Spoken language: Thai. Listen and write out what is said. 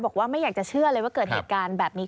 บอกว่าไม่อยากจะเชื่อเลยว่าเกิดเหตุการณ์แบบนี้